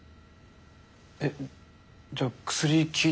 えっじゃあ薬効いてな。